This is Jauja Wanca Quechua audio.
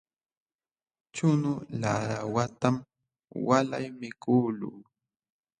Chunu laawatam walay mikuqluu.